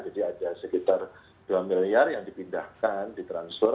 jadi ada sekitar dua miliar yang dipindahkan ditransfer